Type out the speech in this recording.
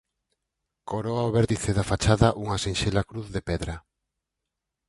Coroa o vértice da fachada unha sinxela cruz de pedra.